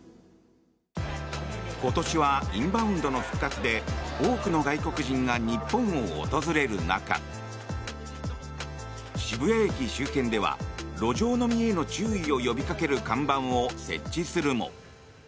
今年はインバウンドの復活で多くの外国人が日本を訪れる中渋谷駅周辺では路上飲みへの注意を呼びかける看板を設置するも。